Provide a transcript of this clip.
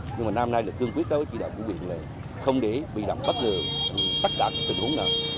nhưng mà năm nay là cương quyết với chỉ đạo quốc viện là không để bị động bất ngờ tất cả tình huống nào